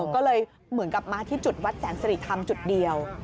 ก็เลยเหมือนกับมาที่จุดวัดแสนสิริธรรมจุดเดียว